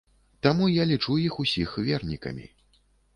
Таму я лічу іх усіх вернікамі.